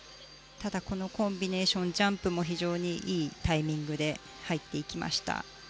ただこのコンビネーションジャンプも非常にいいタイミングで入っていきました。